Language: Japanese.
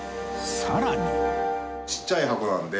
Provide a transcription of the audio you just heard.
さらに